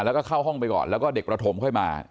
แล้วก็เข้าห้องไปก่อนแล้วก็เด็กประถมค่อยมา